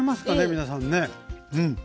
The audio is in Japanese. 皆さんね。